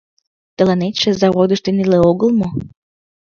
Тыланетше заводышто неле огыл мо?